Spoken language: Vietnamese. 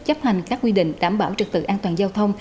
chấp hành các quy định đảm bảo trực tự an toàn giao thông